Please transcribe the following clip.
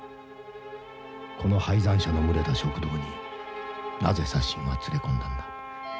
この敗残者の群れた食堂になぜサッシンは連れ込んだんだ。